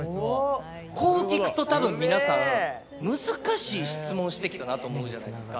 こう聞くと多分皆さん難しい質問してきたなと思うじゃないですか。